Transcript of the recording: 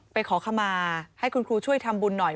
ขอขมาให้คุณครูช่วยทำบุญหน่อย